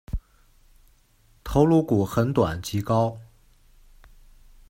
头颅骨很短及高。